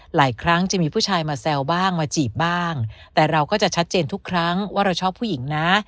หลายครั้งจะมีผู้ชายมาแซวบ้างมาจีบบ้างแต่เราก็จะชัดเจนทุกครั้งว่าเราชอบผู้หญิงนะ